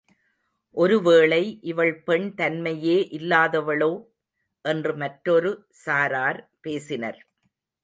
ஒருவேளை இவள் பெண் தன்மையே இல்லாதவளோ? என்று மற்றொரு சாரார் பேசினர்.